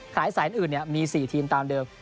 ขายสายอื่นเนี่ยมี๔ทีมตามเดิม